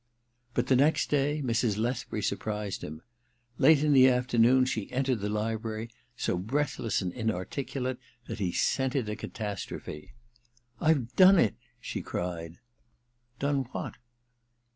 But the next day Mrs. Lethbury surprised him. Late in the afternoon she entered the VI THE MISSION OF JANE 191 library, so breathless and inarticulate that he scented a catastrophe. * I've done it !' she cried. * Done what